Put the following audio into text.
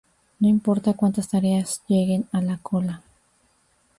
No importa cuantas tareas lleguen a la cola.